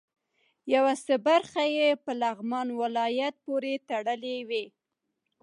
یو څه برخې یې په لغمان ولایت پورې تړلې وې.